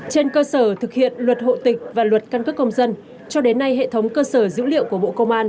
trên cơ sở thực hiện luật hộ tịch và luật căn cước công dân cho đến nay hệ thống cơ sở dữ liệu của bộ công an